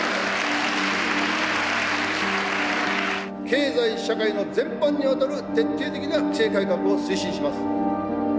経済社会の全般にわたる徹底的な規制改革を推進します。